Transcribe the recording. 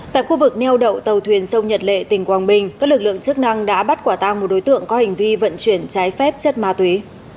tại khu vực neo đậu tàu thuyền sông nhật lệ tỉnh quảng bình các lực lượng chức năng đã bắt quả tang một đối tượng có hành vi vận chuyển trái phép chất ma túy